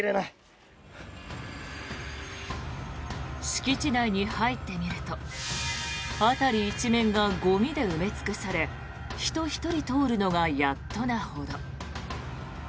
敷地内に入ってみると辺り一面がゴミで埋め尽くされ人１人通るのがやっとなほど。